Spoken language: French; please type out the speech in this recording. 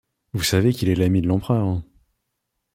Vous savez qu’il est l’ami de l’empereur.